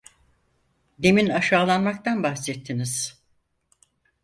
Demin aşağılanmaktan bahsettiniz.